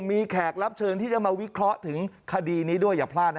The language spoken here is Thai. มีแขกรับเชิญที่จะมาวิเคราะห์ถึงคดีนี้ด้วยอย่าพลาดนะ